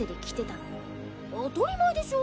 当たり前でしょ。